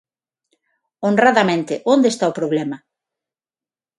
Honradamente, onde está o problema?